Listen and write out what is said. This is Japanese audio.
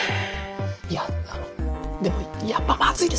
いやあのでもやっぱまずいですって。